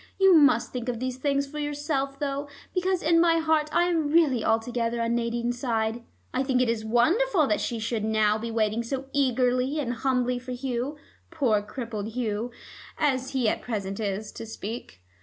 You must think of these things for yourself, though, because in my heart I am really altogether on Nadine's side. I think it is wonderful that she should now be waiting so eagerly and humbly for Hugh, poor crippled Hugh, as he at present is, to speak.